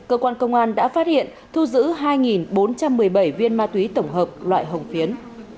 cơ quan công an đã phát hiện thu giữ hai bốn trăm một mươi bảy viên ma túy tổng hợp loại hồng phiến